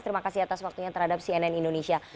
terima kasih atas waktunya terhadap cnn indonesia